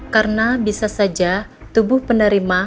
karena bisa saja tubuh penerima